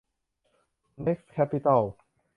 เน็คซ์ แคปปิตอล